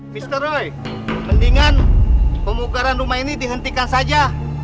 mister roy mendingan pemukaran rumah ini dihentikan saja